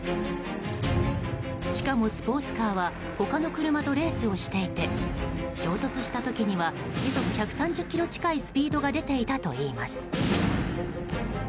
しかもスポーツカーは他の車とレースをしていて衝突した時には時速１３０キロ近いスピードが出ていたといいます。